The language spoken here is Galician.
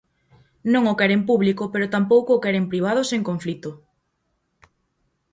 Non o queren público pero tampouco o queren privado sen conflito.